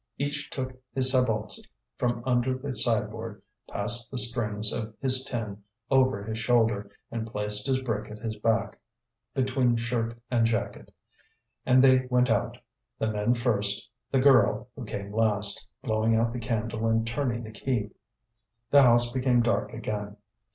Each took his sabots from under the sideboard, passed the strings of his tin over his shoulder and placed his brick at his back, between shirt and jacket. And they went out, the men first, the girl, who came last, blowing out the candle and turning the key. The house became dark again.